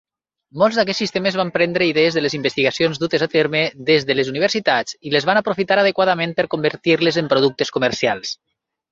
Molts d'aquests sistemes van prendre idees de les investigacions dutes a terme des de les universitats i les van aprofitar adequadament per convertir-les en productes comercials.